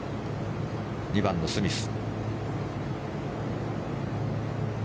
２番のスミス。